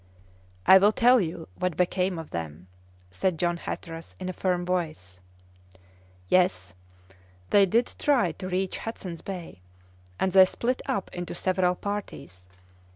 "I will tell you what became of them," said John Hatteras in a firm voice. "Yes, they did try to reach Hudson's Bay, and they split up into several parties!